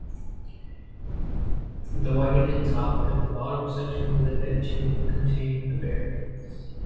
The widened top and bottom sections of the head tube contain the bearings.